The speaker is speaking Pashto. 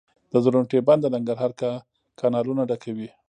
د درونټې بند د ننګرهار کانالونه ډکوي